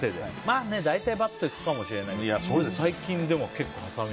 まあ、大体バッといくかもしれない。